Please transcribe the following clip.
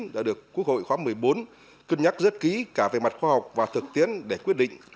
đã được quốc hội khóa một mươi bốn cân nhắc rất kỹ cả về mặt khoa học và thực tiễn để quyết định